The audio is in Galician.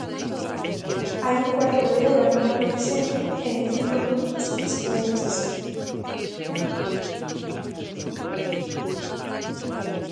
Hai un cuarto de hora non había xente e en cinco minutos isto énchese.